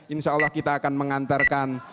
insya allah kita akan mengantarkan